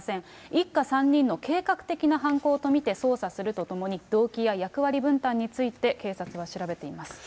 一家３人の計画的な犯行と見て捜査するとともに、動機や役割分担について警察は調べています。